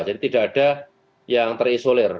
jadi tidak ada yang terisolir